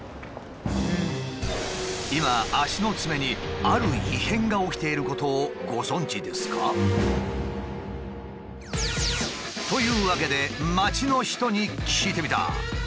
今足のツメにある異変が起きていることをご存じですか？というわけで街の人に聞いてみた。